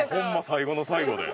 最後の最後で。